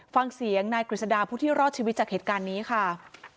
ฟังเสียงนายกฤษฎาผู้ที่รอดชีวิตจากเหตุการณ์นี้ค่ะ